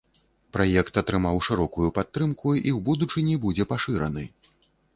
Праект атрымаў шырокую падтрымку і ў будучыні будзе пашыраны.